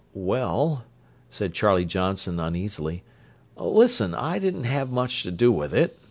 "Well—" said Charlie Johnson uneasily. "Listen! I didn't have much to do with it.